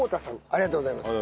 ありがとうございます。